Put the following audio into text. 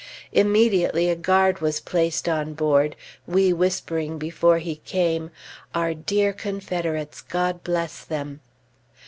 Immediately a guard was placed on board, we whispering before he came, "Our dear Confederates, God bless them."